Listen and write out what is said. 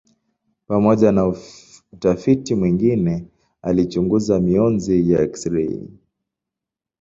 Pamoja na utafiti mwingine alichunguza mionzi ya eksirei.